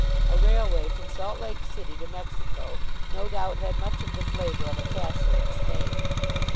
A railway from Salt Lake City to Mexico no doubt had much of the flavour of a castle in Spain.